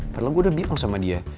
padahal gue udah bingung sama dia